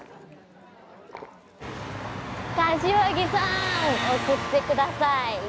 柏木さん送ってください。